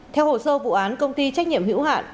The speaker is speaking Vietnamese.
theo hồ sơ vụ án công ty trách nhiệm hữu hạn